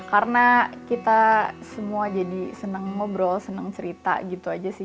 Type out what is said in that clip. karena kita semua jadi senang ngobrol senang cerita gitu aja sih